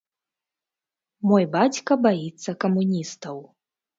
Мой бацька баіцца камуністаў.